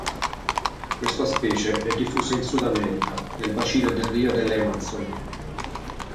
Questa specie è diffusa in Sudamerica, nel bacino del Rio delle Amazzoni.